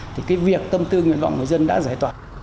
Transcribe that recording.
thì cái việc tâm tư nguyện vọng người dân đã giải tỏa